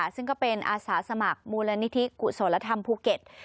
ซึ่งก็เป็นอาสาสมัครมูลนิธิกุศลธรรมภูเก็ต